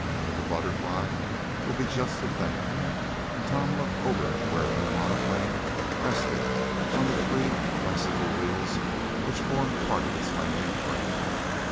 But the BUTTERFLY will be just the thing," and Tom looked over to where a new monoplane rested on the three bicycle wheels which formed part of its landing frame.